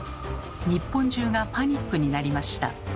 日本中がパニックになりました。